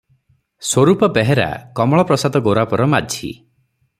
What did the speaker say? Swarup Behera Kamalprasad Gorapar Majhi.